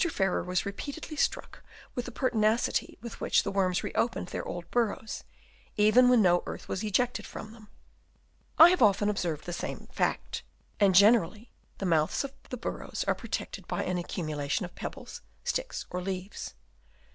Farrer was repeatedly struck with the pertinacity with which the worms re opened their old burrows, even when no earth was ejected from them. I have often observed the same fact, and generally the mouths of the burrows are protected by an accumulation of pebbles, sticks or leaves.